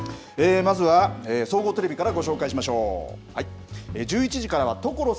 こちらまずは総合テレビからご紹介しましょう。